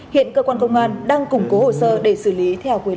hiện cơ quan công an đang củng cố hồ sơ để xử lý theo quy định